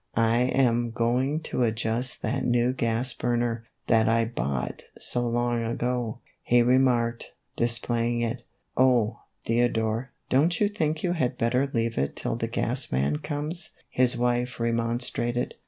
" I am going to adjust that new gas burner, that I bought so long ago," he remarked, displaying it. " Oh, Theodore, don't you think you had better leave it till the gas man comes ?" his wife remon strated.